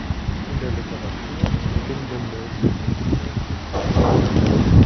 In der Literatur zu findende Synonyme sind zeitlich sortiert